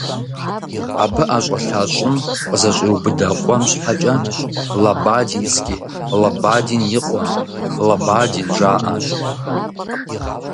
Абы ӀэщӀэлъа щӀым къызэщӀиубыдэ къуэм щхьэкӀэ «Лабадинский», «Лабадин и къуэ», «Лабадин» жаӀэ.